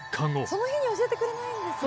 「その日に教えてくれないんですね」